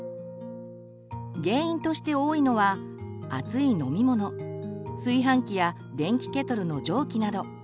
原因として多いのは熱い飲み物炊飯器や電気ケトルの蒸気など。